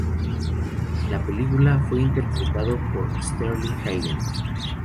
En la película fue interpretado por Sterling Hayden.